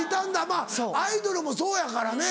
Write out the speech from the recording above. まぁアイドルもそうやからね。